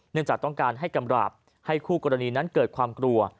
จากต้องการให้กำราบให้คู่กรณีนั้นเกิดความกลัว